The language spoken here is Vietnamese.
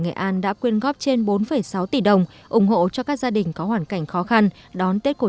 nghệ an đã quyên góp trên bốn sáu tỷ đồng ủng hộ cho các gia đình có hoàn cảnh khó khăn đón tết cột